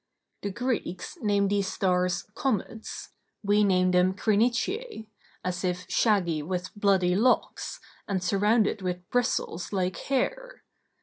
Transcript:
The Greeks name these stars comets, we name them Crinitæ, as if shaggy with bloody locks, and surrounded with bristles like hair.